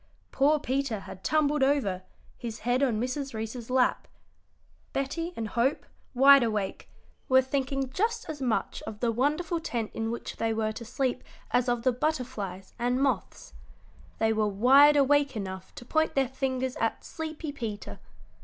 Poor Peter had tumbled over, his head on Mrs. Reece's lap. Betty and Hope, wide awake, were thinking just as much of the wonderful tent in which they were to sleep as of the butterflies and moths. They were wide awake enough to point their fingers at sleepy Peter.